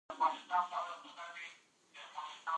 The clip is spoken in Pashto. د ښو او روزلو پولیسو لرل